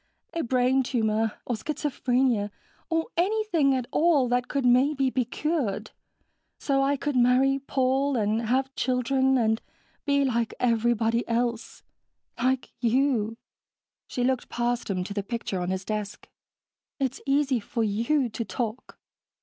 A brain tumor. Or schizophrenia. Or anything at all that could maybe be cured, so I could marry Paul and have children and be like everybody else. Like you." She looked past him to the picture on his desk. "It's easy for you to talk."